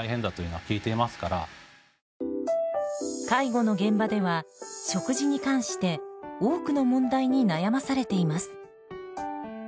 介護の現場では食事に関して多くの問題に悩まされています。